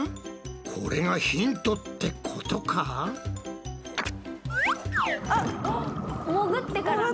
これがヒントってことか？